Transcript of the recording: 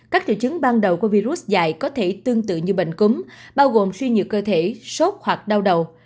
các triệu chứng ban đầu của virus dạy có thể tương tự như bệnh cúm bao gồm suy nhược cơ thể sốt hoặc đau đầu